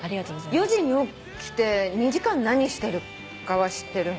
４時に起きて２時間何してるかは知ってるの？